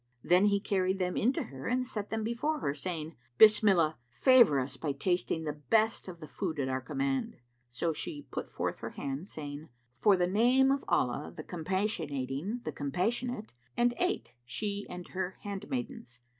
Then he carried them in to her and set them before her, saying, "Bismillah, favour us by tasting the best of the food at our command." So she put forth her hand, saying, "For the name of Allah the Compassionating, the Compassionate!" and ate, she and her handmaidens.